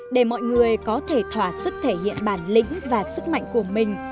để mọi người có thể thỏa sức thể hiện bản lĩnh và sức mạnh của mình